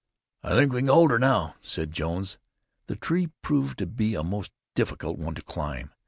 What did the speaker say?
"I think we can hold her now," said Jones. The tree proved to be a most difficult one to climb.